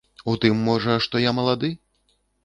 У тым, можа, што я малады?